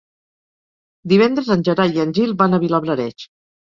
Divendres en Gerai i en Gil van a Vilablareix.